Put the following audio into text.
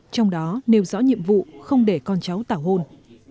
trong đó nêu rõ nhiệm vụ không để con cháu tảo hôn